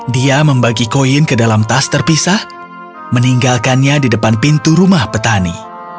dia membagi koin ke dalam tas terpisah meninggalkannya di depan pintu rumah petani